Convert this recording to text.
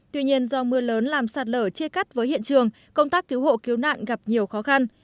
tuy nhiên do mưa lớn làm sạt lở chia cắt với hiện trường công tác cứu hộ cứu nạn gặp nhiều khó khăn